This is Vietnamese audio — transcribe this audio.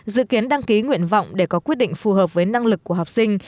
dự kiến đăng ký nguyện vọng để có quyết định phù hợp với năng lực của học sinh